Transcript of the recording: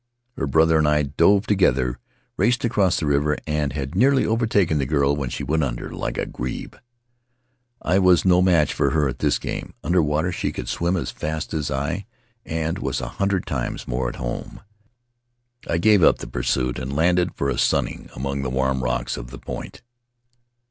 Her brother and I dove together, raced across the river, and had nearly overtaken the girl when she went under like a grebe. I was no match for her at this game; under water she could swim as fast as I, and was a hundred times more at home. I gave up the pursuit and landed for a sunning among the warm rocks of the point.